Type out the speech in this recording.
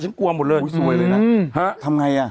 ต้องคอยวายเลยนะฮะทำไงอ่ะ